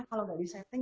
kalau nggak disetting